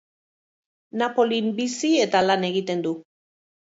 Napolin bizi eta lan egiten du.